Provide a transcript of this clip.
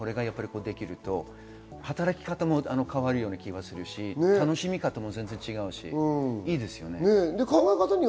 いろんなところでできると働き方も変わるような気がするし、楽しみ方も違うしいいですね。